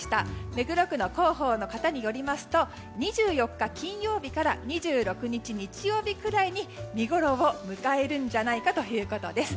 目黒区の広報の方によりますと２４日金曜日から２６日日曜日くらいに見ごろを迎えるんじゃないかということです。